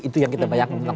itu yang kita bayangkan